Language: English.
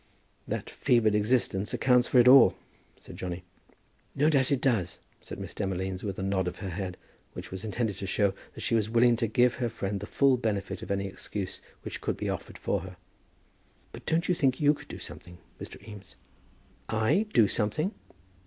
"That fevered existence accounts for it all," said Johnny. "No doubt it does," said Miss Demolines, with a nod of her head, which was intended to show that she was willing to give her friend the full benefit of any excuse which could be offered for her. "But don't you think you could do something, Mr. Eames?" "I do something?"